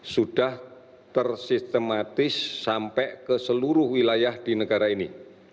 sudah tersistematis sampai ke seluruh wilayah di negara ini